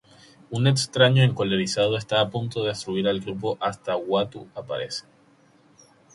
Un Extraño encolerizado está a punto de destruir al grupo hasta Uatu aparece.